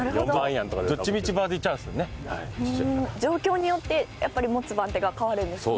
状況によってやっぱり持つ番手が変わるんですね。